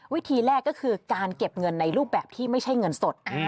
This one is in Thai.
วิธีแรกก็คือการเก็บเงินในรูปแบบที่ไม่ใช่เงินสด